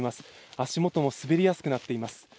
足元も滑りやすくなっています。